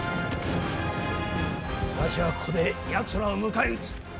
わしはここでやつらを迎え撃つ。